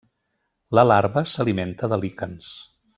La larva s'alimenta de líquens.